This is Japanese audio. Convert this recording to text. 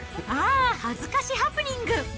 あぁ恥ずかしハプニング！